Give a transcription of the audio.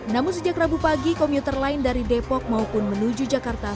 namun sejak rabu pagi komuter lain dari depok maupun menuju jakarta